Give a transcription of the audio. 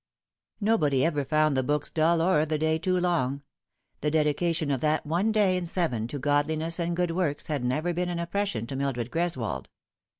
Nobody ever found the books dull or the day too long. The dedication of that one day in seven to 54 The Fatal Three. godliness ana good works had never been an oppression to Mil dred Greswold.